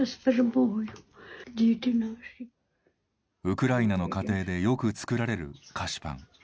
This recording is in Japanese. ウクライナの家庭でよく作られる菓子パン。